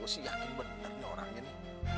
gue sih yakin bener nih orang ini